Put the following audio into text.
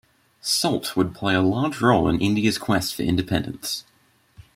Salt would play a large role in India's quest for independence.